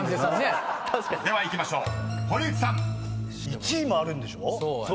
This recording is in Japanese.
１位もあるんでしょ。